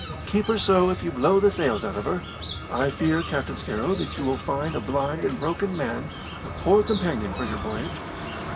"Keep her so if you blow the sails out of her. I fear, Captain Scarrow, that you will find a blind and broken man a poor companion for your voyage."